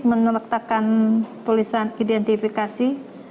menetakan tulisan identifikasi